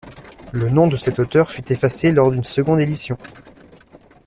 Le nom de cet auteur fut effacé lors d'une seconde édition.